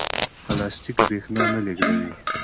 پلاستیک برېښنا نه لېږدوي.